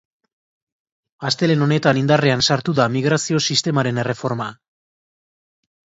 Astelehen honetan indarrean sartu da migrazio sistemaren erreforma.